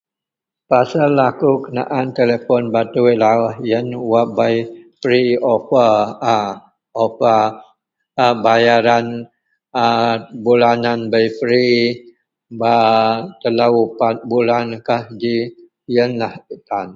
pasal akou kenaan telepon batui lauih ien wak bei free oper a oper a bayaran a bulan bei free bak telou pat bulan kah ji, ienlah getan